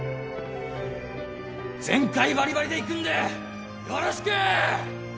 ・全開バリバリでいくんでよろしくー！